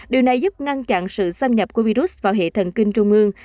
điều này giúp ngăn chặn sự xâm nhập của virus vào hệ thần kinh trung ương